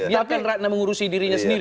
ya kan ratna mengurusi dirinya sendiri